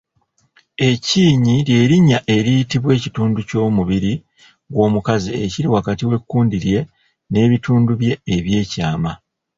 E kinnyi ly'erinnya eriyitibwa ekitundu ky’omubiri gw’omukazi ekiri wakati w’ekkundi lye n’ebitundu bye ebyekyama.